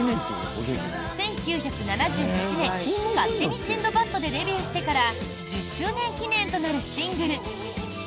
１９７８年「勝手にシンドバッド」でデビューしてから１０周年記念となるシングル。